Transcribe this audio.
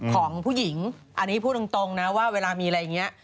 ของผู้หญิงอันนี้พูดตรงนะว่าเวลามีอะไรอย่างนี้